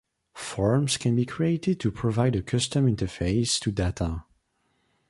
Forms can be created to provide a custom interface to data.